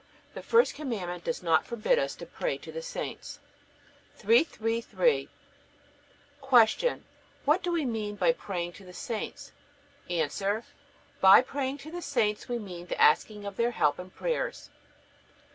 The first Commandment does not forbid us to pray to the saints. 333. Q. What do we mean by praying to the saints? A. By praying to the saints we mean the asking of their help and prayers.